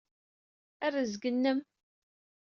A rrezg-nnem!